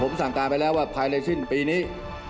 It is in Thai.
ผมสั่งการไปแล้วว่าภายในสิ้นปีนี้